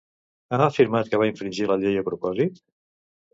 Ha afirmat que va infringir la llei a propòsit?